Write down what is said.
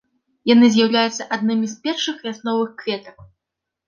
Яны з'яўляюцца аднымі з першых вясновых кветак.